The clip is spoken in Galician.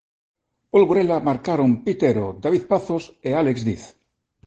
Polo Burela marcaron Pitero, David Pazos e Álex Diz.